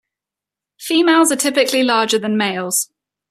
Females are typically larger than males.